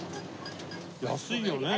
安いよね。